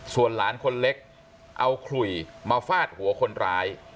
ส่วนหลานคนเล็กเอาขลุยมาฟาดหัวคนร้าย